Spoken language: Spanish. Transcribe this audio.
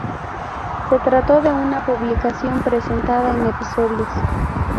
Se trató de una publicación presentada en episodios.